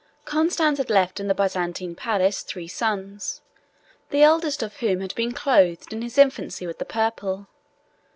] Constans had left in the Byzantine palace three sons, the eldest of whom had been clothed in his infancy with the purple.